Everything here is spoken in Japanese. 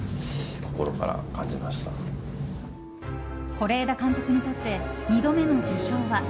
是枝監督にとって２度目の受賞は。